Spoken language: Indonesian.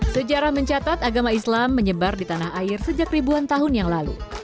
sejarah mencatat agama islam menyebar di tanah air sejak ribuan tahun yang lalu